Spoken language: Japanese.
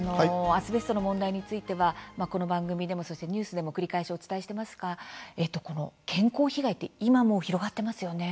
アスベストの問題についてはこの番組でもそしてニュースでも繰り返しお伝えしてますが健康被害って今も広がってますよね。